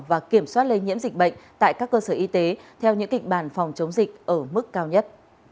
và kiểm soát lây nhiễm dịch bệnh tại các cơ sở y tế theo những kịch bản phòng chống dịch ở mức cao nhất